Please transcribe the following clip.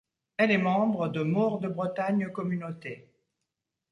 Elle est membre de Maure de Bretagne communauté.